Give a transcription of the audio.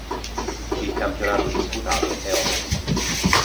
Il campionato disputato è ottimo.